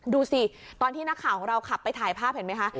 ดูสิตอนที่นักข่าวของเราขับไปถ่ายภาพเห็นไหมคะ